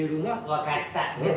分かった。